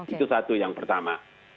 itu satu yang pertama